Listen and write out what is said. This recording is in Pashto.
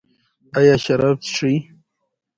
ایا شراب څښئ؟